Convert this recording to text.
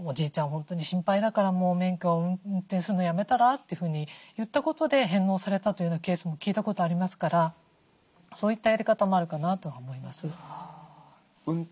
本当に心配だからもう免許運転するのやめたら？」というふうに言ったことで返納されたというケースも聞いたことありますからそういったやり方もあるかなとは思います。